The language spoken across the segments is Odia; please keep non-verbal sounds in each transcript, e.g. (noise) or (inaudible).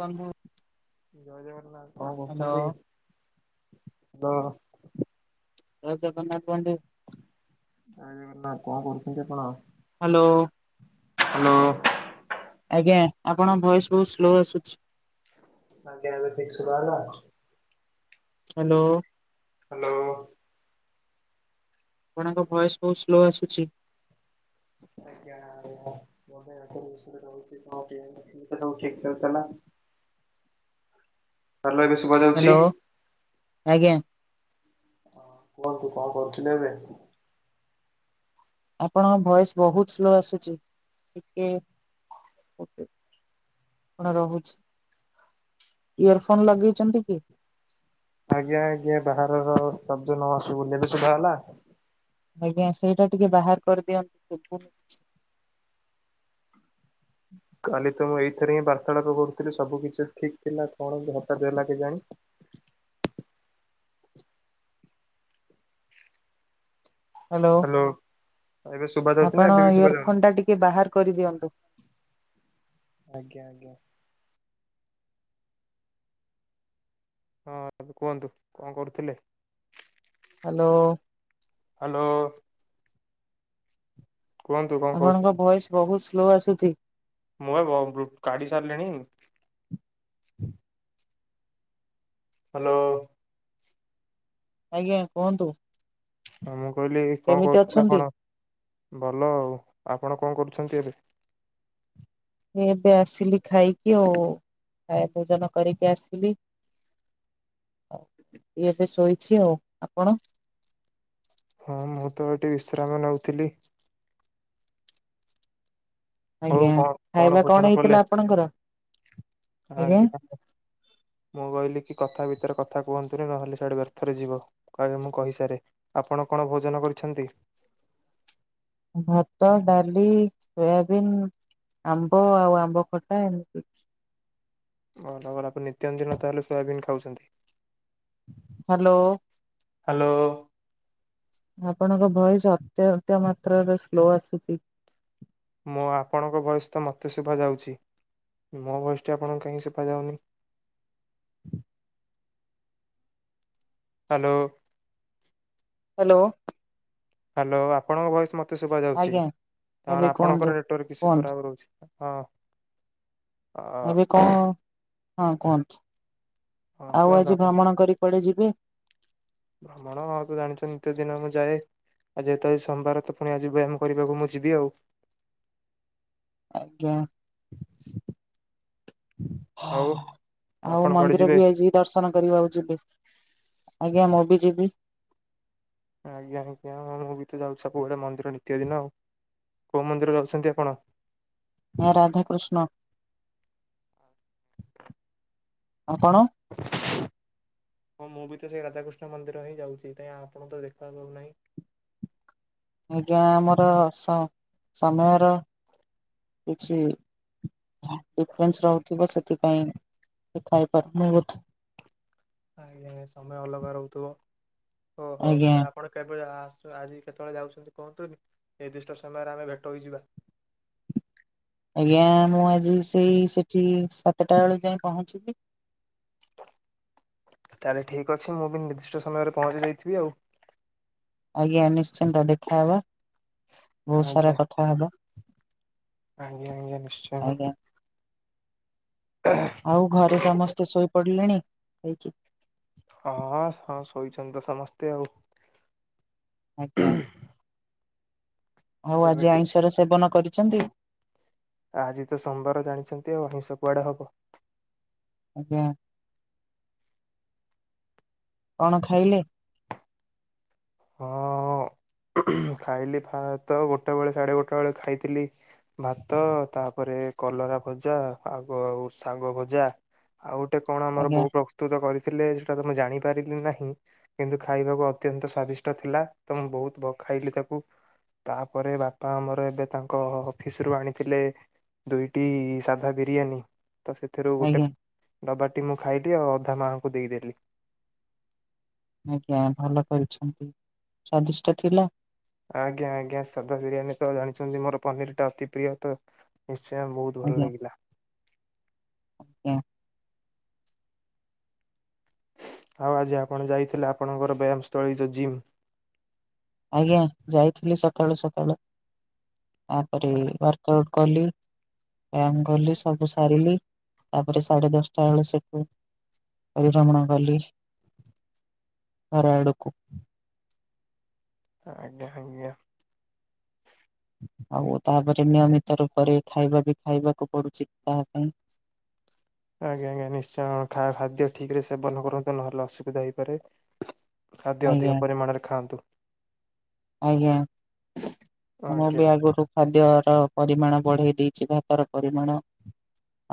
ବନ୍ଧୁ ଜୟ ଜଗନ୍ନାଥ କଣ କରୁଛନ୍ତି? ହ୍ୟାଲୋ ଜୟ ଜଗନ୍ନାଥ ବନ୍ଧୁ। ଜୟ ଜୟଜଗନ୍ନାଥ କଣ କରୁଛନ୍ତି ଆପଣ? ହାଲୋ। ହ୍ୟାଲୋ। ଆଜ୍ଞା ଆପଣଙ୍କ ଭଏସ ବହୁତ ସ୍ଲୋ ଆସୁଛି। ଆଜ୍ଞା ଏବେ ଠିକ୍ ସୁଭାଗଲା। ହାଲୋ। ହ୍ୟାଲୋ। ଆପଣଙ୍କ ଭଏସ୍ ବହୁତ ସ୍ଲୋ ଆସୁଛି। ଆଜ୍ଞା ମୁ ରହୁଛି ରହୁଛି ତାଲା (unintelligible) ସାଲୁ ଏବେ ଶୁଵା ଯାଉଚି? ହ୍ୟାଲୋ ଆଜ୍ଞା। ହଁ କୁହନ୍ତୁ କଣ କରୁଥିଲେ ଏବେ? ଆପଣଙ୍କ ଭଏସ ବହୁତ ସ୍ଲୋ ଆସୁଛି, ଟିକେ (unintelligible) କଣ ରହୁଛି ଇୟର ଫୋନ ଲଗେଇଛନ୍ତି କି? ଆଜ୍ଞା ଆଜ୍ଞା ବାହାରର ଶବ୍ଦ ନସୁବୁଲେ ଏବେ ସୁଵା ଗଲା। ଆଜ୍ଞା ସେଇଟା ଟିକେ ବାହାର କରିଦିଅନ୍ତୁ (unintelligible) କାଲି ତ ମୁଁ ଏଇଥିରେ ହିଁ ବାର୍ତ୍ତାଳାପ କରୁଥିଲି ସବୁ କିଛି ଠିକ ଥିଲା କଣ ଏମିତି ହଠାତ୍ ହେଲା କେ ଜାଣି। ହ୍ୟାଲୋ, ହାଲୋ ଏବେ ଶୁଭା ଯାଉଛି ନା ଆପଣ ଏବେ ବି ଶୁଭା ଯାଉନି? ଇୟରଫୋନ୍ ଟା ଟିକେ ବାହାର କରିଦିଅନ୍ତୁ। ଆଜ୍ଞା ଆଜ୍ଞା। ହଁ ଏବେ କୁହନ୍ତୁ, କଣ କରୁଥିଲେ? ହ୍ୟାଲୋ। ହ୍ୟାଲୋ। କୁହନ୍ତୁ କଣ ଆପଣଙ୍କ କରୁଥିଲେ? ଭଏସ ବହୁତ୍ ସ୍ଲୋ ଆସୁଛି। ମୁଁ ବା ବ-ବ୍ଲୁ କାଢ଼ି ସାରିଲେଣି। ହ୍ୟାଲୋ। ଆଜ୍ଞା କୁହନ୍ତୁ। ହଁ ମୁଁ କହିଲି କଣ କେମିତି କରୁଥିଲ ଅଛନ୍ତି? କପଣ? ଭଲ ଆଉ, ଆପଣ କଣ କରୁଛନ୍ତି ଏବେ? ଏବେ ଆସିଲି ଖାଇକି ଆଉ ଖାୟା ଭୋଜନ କରିକି ଆସିଲି। ଏଇ ଏବେ ଶୋଇଛି ଆଉ। ଆପଣ? ହଁ ମୁଁ ତ ଏଠି ବିଶ୍ରାମ ନେଉଥିଲି। ହଉ ଆଜ୍ଞା କଣ କଣ ଖାଇବା ଭୋଜନ କଲେ ହେଇଥିଲା ଆପଣଙ୍କର? ଆଜ୍ଞା? ମୁଁ କହିଲି କି କଥା ଭିତରେ କଥା କୁହନ୍ତୁନି, ନହେଲେ ସେ ଆଡେ ବ୍ୟର୍ଥରେ ଯିବ। କହିବେ ମୁଁ କହିସାରେ। ଆପଣ କଣ ଭୋଜନ କରିଛନ୍ତି? ଭାତ, ଡାଲି, ସୋୟାବିିନ, ଆମ୍ବ ଆଉ ଆମ୍ବ ଖଟା ଏମିତି। ଭଲ ଭଲ ଆପଣ ନିତ୍ୟ ଦିନ ତାହେଲେ ସୋୟାବିନ ଖାଉଛନ୍ତି। ହ୍ୟାଲୋ। ହ୍ୟାଲୋ। ଆପଣଙ୍କ ଭଏସ ଅତ୍ୟନ୍ତ ମାତ୍ରାରେ ସ୍ଲୋ ଆସୁଛି। ମୁଁ ଆପଣଙ୍କ ଭୟସ ତ ମୋତେ ଶୁଭା ଯାଉଛି ମୋ ଭୟସଟି ଆପଣଙ୍କୁ କାହିଁକି ଶୁଭା ଯାଉନି। ହ୍ୟାଲୋ। ହ୍ୟାଲୋ। ହ୍ୟାଲୋ ଆପଣଙ୍କ ଭଏସ୍ ମୋତେ ଶୁଭାଯାଉଛି। ଆଜ୍ଞା ତା ଏବେ ମାନେ କୁହନ୍ତୁ ଆପଣଙ୍କର ନେଟୱାର୍କ କିଛି କୁହନ୍ତୁ ଖରାପ ରହୁଛି। ହଁ। ଅ ଏବେ କଣ ହଁ କୁହନ୍ତୁ। ହଁ ଆଉ କୁହନ୍ତୁ ଆଜି ଆପଣ ଭ୍ରମଣ କରି କୁଆଡ଼େ ଯିବେ? ଭ୍ରମଣ ହଁ (unintelligible) ଦିନ ମୁଁ ଯାଏ। ଆ ଯେହେତୁ ସୋମବାର ତ ପୁଣି ଆଜି ବ୍ୟାୟମ କରିବାକୁ ମୁଁ ଯିବି ଆଉ। ଆଜ୍ଞା। (inaudible) ଆଉ ଆପଣ କୁଆଡେ ମନ୍ଦିର ଯିବେ? ବି ଆଜି ଦର୍ଶନ କରିବାକୁ ଯିବି ଆଜ୍ଞା ମୁଁ ବି ଯିବି। ଆଜ୍ଞା ଆଜ୍ଞା ମୁଁ ବି ତ ଯାଉଛି ସବୁବେଳେ ମନ୍ଦିର ନିତ୍ୟ ଦିନ ଆଉ। କୋଉ ମନ୍ଦିର ଯାଉଛନ୍ତି ଆପଣ? ଆଁ ରାଧାକୃଷ୍ଣ। ଆପଣ? (inaudible) ହଁ ମୁଁ ବି ତ ସେଇ ରାଧାକୃଷ୍ଣ ମନ୍ଦିର ହିଁ ଯାଉଛି। କାହିଁ ଆପଣଙ୍କ ତ ଦେଖା ମିଳୁ ନାହିଁ? ଆଜ୍ଞା ଆମର ସ-ସମୟର କିଛି ଡିଫରେନ୍ସ ରହୁଥିବ ସେଥିପାଇଁ ଦେଖା ହେଇ ପାରୁନି ବୋଧେ। ଆଜ୍ଞା ଆଜ୍ଞା, ସମୟ ଅଲଗା ରହୁଥିବ ଆଜ୍ଞା ଓହୋଃ। ଆପଣ କେବେ ଆସ ଆଜି କେତେବେଳେ ଯାଉଛନ୍ତି କୁହନ୍ତୁନି ନିର୍ଦ୍ଦିଷ୍ଟ ସମୟରେ ଆମେ ଭେଟ ହୋଇଯିବା। ଆଜ୍ଞା ମୁଁ ଆଜି ସେଇ ସେଠି ସାତଟା ବେଳକୁ ଯାଇ ପହଞ୍ଚିବି। ତାହେଲେ ଠିକ ଅଛି ମୁଁ ବି ନିର୍ଦ୍ଦିଷ୍ଟ ସମୟରେ ପହଞ୍ଚି ଯାଇଥିବି ଆଉ। ଆଜ୍ଞା ନିଶ୍ଚିନ୍ତ ଦେଖାହବା। ବହୁତ ସାରା ଆଜ୍ଞା କଥା ହବା ଆଜ୍ଞା ଆଜ୍ଞା ନିଶ୍ଚୟ ଆଜ୍ଞା। ଆଉ ଘରେ ସମସ୍ତେ ଶୋଇ ପଡିଲେଣି ଖାଇକି? ହଁ ହଁ ଶୋଇଛନ୍ତି ତ ସମସ୍ତେ ଆଉ। ଆଜ୍ଞା। ଆଉ ଆଜି ଏବେଟି ଆଇଁଷର ସେବନ କରିଛନ୍ତି। ଆଜି ତ ସୋମ୍ୱାର ଜାଣିଛନ୍ତି ଆଉ ହିଂସ କୁଆଡେ ହବ। ଆଜ୍ଞା। କଣ ଖାଇଲେ? ହଁ ଖାଇଲି ଫା ତ ଗୋଟେବେେଳେ ସାଢ଼େ ଗୋଟେ ବେଳେ ଖାଇଥିଲି ଭାତ ତାପରେ କଲରା ଭଜା ଆ ଆଗ ଆଉ ଶାଗ ଭଜା। ଆଉ ଗୋଟେ କଣ ଆମର ଆଜ୍ଞା ବହୁ ପ୍ର ପ୍ରସ୍ତୁତ କରିଥିଲେ ସେଟା ତ ମୁଁ ଜାଣିପାରିଲି ନାହିଁ କିନ୍ତୁ ଖାଇବାକୁ ଅତ୍ୟନ୍ତ ସ୍ୱାଦିଷ୍ ଷ୍ଟ ଥିଲା ତ ମୁଁ ବହୁତ ଭ ଖାଇଲି ତାକୁ। ତାପରେ ବାପା ଆମର ଏବେ ତାଙ୍କ ଅଫିସରୁୁ ଆଣିଥିଲେ ଦୁଇଟି ସାଧା ବିରିୟାନୀ ତ ସେ ଥିରୁ ଗୋଟେ ଆଜ୍ଞା। ଡବାଟି ମୁଁ ଖାଇଲି ଆଉ ଅଧା ମାଙ୍କୁ ଦେଇଦେଲି। ଆଜ୍ଞା ଭଲ କରିଛନ୍ତି ସ୍ଵାଦିଷ୍ଟ ଥିଲା। ଆଜ୍ଞା ଆଜ୍ଞା ସାଧା ବିରିୟାନୀ ତ ଜାଣିଛନ୍ତି ମୋର ପନିର ଟା ଅତି ପ୍ରିୟ ତ ନିଶ୍ଚୟ ବହୁ ଭଲ ଆଜ୍ଞା ଲାଗିଲା। ଆଜ୍ଞା। ଆଉ ଆଜି ଆପଣ ଯାଇଥିଲେ ଆପଣଙ୍କର ବ୍ୟାୟାମସ୍ଥଳୀ ଯୋଉ ଜିମ୍। ଆଜ୍ଞା ଯାଇଥିଲି ସକାଳୁ ସକାଳୁ ଆ କରି ୱର୍କ ଆଉଟ୍ କଲି ବ୍ୟାୟାମ କଲି ସବୁ ସାରିଲି। ତାପରେ ସାଢେ ଦଶଟା ବେଳୁ ସେଠୁ ପରିଭ୍ରମଣ କଲି। ଘର ଆଡ଼କୁ। ଆଜ୍ଞା ଆଜ୍ଞା। ଆଉ ତାପରେ ନିୟମିତ୍ ତ ରୁପରେ ଖାଇବା ବି ଖାଇବାକୁ ପଡୁଛି ତାହା ପାଇଁ। ଆଜ୍ଞା ଆଜ୍ଞା ନିଶ୍ଚୟ ଖା ଖାଦ୍ୟ ଠିକ ରେ ସେବନ କରନ୍ତୁ ନହେଲେ ଅସୁବିଧା ହେଇପାରେ। ଖାଦ୍ୟ ଆଜ୍ଞା ଅଧିକ ପରିମାଣରେ ଖାଆନ୍ତୁ। ଆଜ୍ଞା ଆ ମୁ ଆଜ୍ଞା ବି ଅଗୁରୁ ଖାଦ୍ୟ ର ପରିମାଣ ବଢେଇ ଦେଇଛି ଭାତ ର ପରିମାଣ।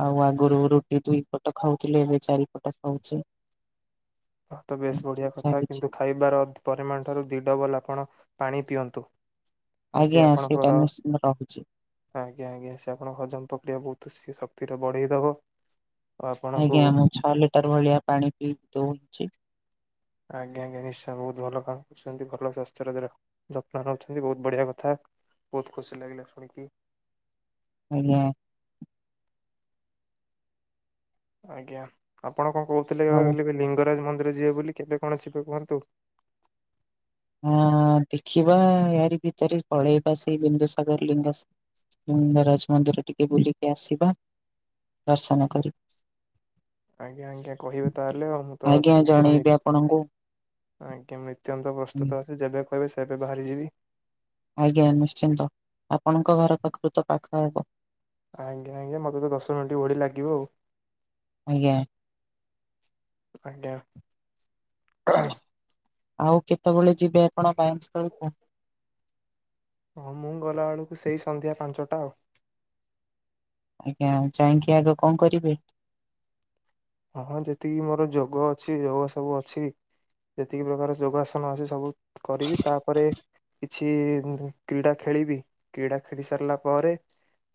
ଆଉ ଆଗରୁ ରୁଟି ଦୁଇ ପଟ ଖାଉଥିଲି ଏବେ ଚାରିପଟ ଖାଉଚି। ହଁ ତ ବେସ୍ ବଢ଼ିଆ କଥା ଚାଲିଛି କିନ୍ତୁ ଖାଇବାର ତ ପରିମାଣ ଠାରୁ ଦି ଡବଲ୍ ଆପଣ ପାଣି ପିଅନ୍ତୁ। ନା ସିଏ ଆଜ୍ଞା ସେଇଟା ଆପଣଙ୍କର ନିଶ୍ଚିନ୍ତ ରହୁଚି। ଆଜ୍ଞା ଆଜ୍ଞା ସେ ଆପଣଙ୍କ ହଜମ ପ୍ରକ୍ରିୟା ବହୁତ ସେ ଶକ୍ତିରେ ବଢେଇଦବ। ଆଉ ଆପଣଙ୍କୁ ଆଜ୍ଞା ମୁଁ ଛଅ ଲିଟର ଭଳିଆ ପାଣି ପିଇ ଦୋଉଚି। ଆଜ୍ଞା ଆଜ୍ଞା ନିଶ୍ଚୟ ବହୁତ ଭଲ କାମ କରୁଛନ୍ତି ଭଲ ସାସ୍ଥ୍ୟରେ ର ଯତ୍ନ ନଉଛନ୍ତି ବହୁତ ବଢିଆ କଥା ବହୁତ ଖୁସି ଲାଗିଲା ଶୁଣିକି। ଆଜ୍ଞା। ଆଜ୍ଞା ଆପଣ ଙ୍କ କହୁଥିଲେ କାଳେ ଆଉ ବେ ଲି ଲିଙ୍ଗରାଜ ମନ୍ଦିର ଯିବେ ବୋଲି କେବେ କଣ ଯିବେ କୁହନ୍ତୁ। ହଁ ଦେଖିବା ୟାରି ଭିତରେ ପଳେଇବା ସେ ବିନ୍ଦୁ ସାଗର ଲିଙ୍ଗସ୍ ଲିଙ୍ଗରାଜ ମନ୍ଦିର ଟିକେ ବୁଲିକି ଆସିବା ଦର୍ଶନ କରି ଆଜ୍ଞା ଆଜ୍ଞା କହିବେ ତାହେଲେ ଆଉ ମୁଁ ତ ଆଜ୍ଞା ଅ ପୁରା ମି ଜଣେଇବି ଆପଣଙ୍କୁ ଆଜ୍ଞା ମୀ ନିତ୍ୟନ୍ତ ପ୍ରସ୍ତୁତ ଅଛି ଯେବେ କହିବେ ସେବେ ବାହାରିଯିବି। ଆଜ୍ଞା ନିଶ୍ଚିନ୍ତ ଆପଣଙ୍କ ଘର ପାଖୁରୁ ତ ପାଖ ହବ। ଆଜ୍ଞା ଆଜ୍ଞ ମତେ ତ ଦଶ ମିନିଟ ଭଳି ଲାଗିବ ଆଉ। ଆଜ୍ଞା। ଆଜ୍ଞା। ଆଉ କେତେବେଳେ ଯିବେ ଆପଣ ବୟାମ୍ ସ୍ଥଳକୁ। ହଁ ମୁଁ ଗଲାବେଳକୁ ସେଇ ସନ୍ଧ୍ୟା ପାଞ୍ଚଟା ଆଉ। ଆଜ୍ଞା ଯାଇଁକି ଆଗ କଣ କରିବେ? ହଁ ଯେତିକି ମୋର ଯୋଗ ଅଛି ଯୋଗ ସବୁ ଅଛି। ଯେତିକି ପ୍ରକାର ଯୋଗାସନ ଅଛି ସବୁ କରିବି ତାପରେ କିଛି ଉଁ କ୍ରୀଡ଼ା ଖେଳିବି କ୍ରୀଡ଼ା ଖେଳି ସାରିଲା ପରେ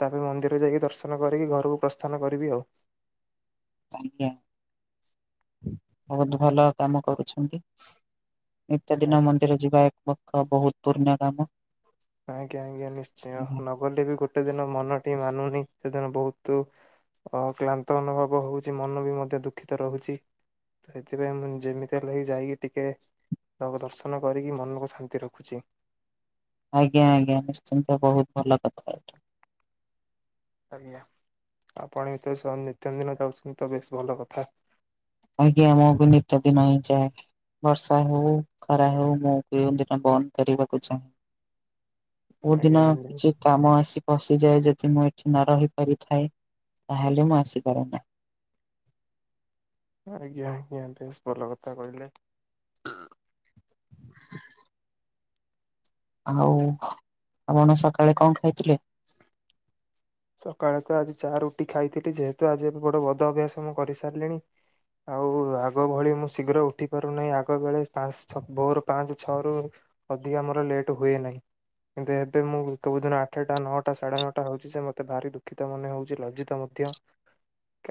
ତାପରେ ମନ୍ଦିର ଯାଇକି ଦର୍ଶନ କରିକି ଘରକୁ ପ୍ରସ୍ଥାନ କରିବି ଆଉ। ଆଜ୍ଞା। (inaudible) ବହୁତ୍ ଭଲ କାମ କରୁଛନ୍ତି ନିତ୍ୟ ଦିନ ଆଜ୍ଞା ମନ୍ଦିର ଯିବା ଏକ କ ବହୁତ୍ ପୁନ୍ୟ କାମ। ଆଜ୍ଞା ଆଜ୍ଞା ନିଶ୍ଚୟ ନ ଗଲେ ବି ଗୋଟେ ଦିନ ମନ ଟି ମାନୁନି ସେଦିନ ବହୁତୁ ଓ କ୍ଲାନ୍ତ ଅନୁଭବ ହଉଛି ମନ ବି ମଧ୍ୟ ଦୁଃଖିତ ରହୁଛି। ତ ସେଥିପାଇଁ ମୁଁ ଯେମିତି ହେଲେ ବି ଯାଇକି ଟିକେ ତାଙ୍କୁ ଦର୍ଶନ କରିକି ମନକୁ ଶାନ୍ତି ରଖୁଛି। ଆଜ୍ଞା ଆଜ୍ଞା ନିଶ୍ଚିନ୍ତ ବହୁତ ଭଲ କଥା ଏଟା। ଆଜ୍ଞା ଆପଣ ଏତେ ସବୁ ନିତ୍ୟନ୍ଦିନ କରୁଛନ୍ତି ତ ବେଶ୍ ଭଲ କଥା। ଆଜ୍ଞା ମୁଁ ବି ନିତ୍ୟ ଦିନ ହିଁ ଯାଏ। ବର୍ଷା ହେଉ ଖରା ହେଉ ମୁ କେଉଁ ଦିନ ବନ୍ଦ କରିବାକୁ ଚାହେଁ ଆଜ୍ଞା କୋଦିନ ଆଜ୍ଞା କିଛି କାମ ଆସି ପଶିଯାଏ ଯଦି ମୁଁ ଏଠି ନ ରହି ପାରିଥାଏ ତାହେଲେ ମୁଁ ଆସିପାରେ ନାଁ। ଆଜ୍ଞା ଆଜ୍ଞା ବେଶ୍ ଭଲ କଥା କହିଲେ। ଆଉ ଆପଣ ସକାଳେ କଣ ଖାଇଥିଲେ? ସକାଳେ ତ ଆଜି ଚା ରୁଟି ଖାଇଥିଲି ଯେହେତୁ ଆଜି ଏବେ ବଡ ବଦ ଅଭ୍ୟାସ ମୁଁ କରିସାରିଲିଣି। ଆଉ ଆଗ ଭଳି ମୁଁ ଶୀଗ୍ର ଉଠି ପାରୁନାହିଁ ଆଗ ବେଳେ ପାଞ୍ଚ ଛ ଭୋରୁ ପାଞ୍ଚ ଛଅରୁୁ ଅଧିକା ମୋର ଲେଟ୍ ହୁଏ ନାହିଁ। କିନ୍ତୁ ଏବେ ମୁଁ କଉ ଦିନ ଆଠଟା ନଅଟା ସାଢେ ନଅଟା ହଉଛି ଯେ ମ ତେ ଭାରି ଦୁଃଖିତ ମନେ ହଉଛି ଲଜ୍ଜିତ ମଧ୍ୟ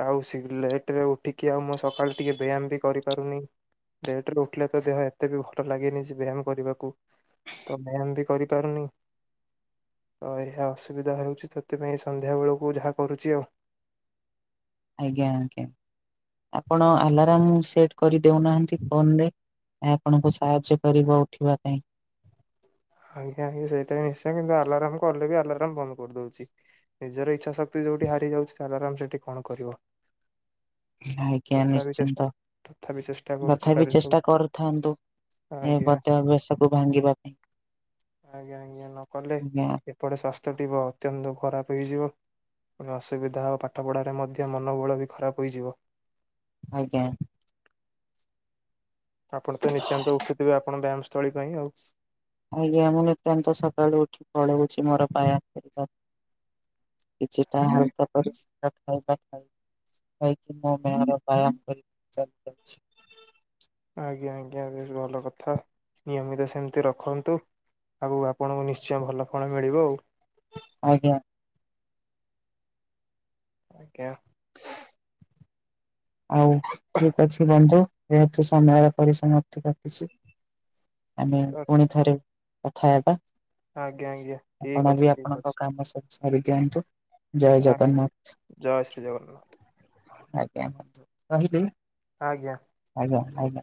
ଆଉ ସି ଲେଟରେ ଉଠିକି ଆଉ ମୁଁ ସକାଳୁ ଟିକେ ବ୍ୟାୟାମ ବି କରିପାରୁନି। ଲେଟରେ ଉଠିଲେ ତ ଦେହ ଏତେ ବି ଭଲ ଲାଗେନି ଯେ ବ୍ୟାୟାମ କରିବାକୁ। ତ ବ୍ୟାୟାମ ବି କରିପାରୁନି ତ ଏହା ଅସୁବିଧା ହଉଛି ତ ସେଥିପାଇଁ ସନ୍ଧ୍ୟାବେଳକୁ ଯାହା କରୁଛି ଆଉ। ଆଜ୍ଞା ଆଜ୍ଞା ଆପଣ ଆଲାରାମ୍ ସେଟ କରି ଦଉନାହାଁନ୍ତି ଫୋନ୍ ରେ। ଏହା ଆପଣଙ୍କୁ ସାହାଯ୍ୟ କରିବ ଉଠିବା ପାଇଁ। ଆଜ୍ଞା ଆଜ୍ଞା ସେଇଟା ନିଶ୍ଚୟ କିନ୍ତୁ ଆଲାରମ କଲେ ବି ଆଲାରମ ବନ୍ଦ କରିଦଉଛି। ନିଜର ଇଚ୍ଛା ଶକ୍ତି ଯୋଉଠି ହାରିଯାଉଛି ସେ ଆଲାରାମ ସେଠି କଣ କରିବ। ଆଜ୍ଞା ତଥାପି ଚେଷ୍ଟା ନିଶ୍ଚିନ୍ତ ତଥାପି ଚେଷ୍ଟା କରୁଛି ତଥା ବିି କାଲିଠୁ ଚେଷ୍ଟା କରୁଥାନ୍ତୁ। ଏ ଆଜ୍ଞା ପତ୍ୟାବସ୍ଥାକୁ ଭାଙ୍ଗିବା ପାଇଁ। ଆଜ୍ଞା ଆଜ୍ଞା ନ କଲେ ଆଜ୍ଞା। ଏପଟେ ସ୍ବସ୍ଥ୍ୟ ଟି ବା ଅତ୍ୟନ୍ତ ଖରାପ ହେଇଯିବ। ପୁଣି ଅସୁବିଧା ଓ ପାଠ ପଢ଼ାରେ ମଧ୍ୟ ମନବଳ ବି ଖରାପ୍ ହୋଇଯିବ। ଆଜ୍ଞା। ଆପଣ ତ ନିିତ୍ୟାନ୍ତ ଉଠୁଥିବେ ଆପଣ ବ୍ୟାୟାମ ସ୍ଥଳୀ ପାଇଁ ଆଉ। ଆଜ୍ଞା ମୁଁ ନିତାନ୍ତ ସକାଳୁ ଉଠି ପଳଉଛି ମୋର ପାୟା କରିବା। କିଛି ଟା ଆଜ୍ଞା ହଲକା କରେ। (unintelligible) ବ୍ୟାୟାମ କରି ଚାଲି ଯାଉଛି। ଆଜ୍ଞା ଆଜ୍ଞା ବେଶ ଭଲ କଥା ନିୟମିତ ସେମିତି ରଖନ୍ତୁ। ଆଗକୁ ଆପଣଙ୍କୁ ନିଶ୍ଚୟ ଭଲ ଫଳ ମିଳିବ ଆଉ। ଆଜ୍ଞା। ଆଜ୍ଞା। ଆଉ ଠିକ ଅଛି ବନ୍ଧୁ ଯେହେତୁ ସମୟର ପରିସମାପ୍ତି ଘଟିଛି ଆମେ ପୁଣି ଥରେ କଥା ହେବା। ଆଜ୍ଞା ଆଜ୍ଞା ଠିକ ଆପଣ ଅଛି ବି ଠିକ ଆପଣଙ୍କ ଅଛି କାମ ସବୁ ସାରି ଦିଅନ୍ତୁ। ଜୟ ଜଗନ୍ନାଥ (inaudible) ଜୟ ଶ୍ରୀ ଜଗନ୍ନାଥ। ଆଜ୍ଞା ବନ୍ଧୁ ରହିଲି। ଆଜ୍ଞା। ଆଜ୍ଞା ଆଜ୍ଞା।